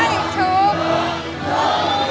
หญิงถูก